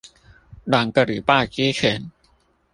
兩個禮拜之前